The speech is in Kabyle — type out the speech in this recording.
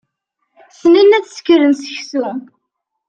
Ssnen ad sekren seksu.